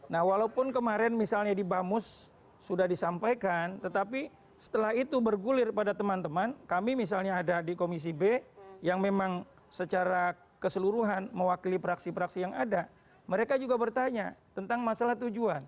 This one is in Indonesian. nah walaupun kemarin misalnya di bamus sudah disampaikan tetapi setelah itu bergulir pada teman teman kami misalnya ada di komisi b yang memang secara keseluruhan mewakili praksi praksi yang ada mereka juga bertanya tentang masalah tujuan